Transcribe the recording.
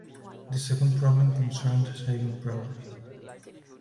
The second problem concerned saving progress.